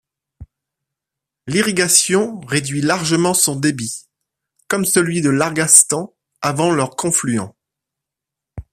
L'irrigation réduit largement son débit, comme celui de l'Arghastan, avant leur confluent.